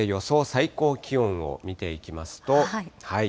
最高気温を見ていきますと。